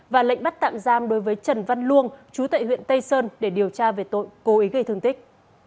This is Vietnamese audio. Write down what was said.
và lệnh bắt tạm giam đối với trần văn luông chú tại huyện tây sơn để điều tra về tội cố ý gây thương tích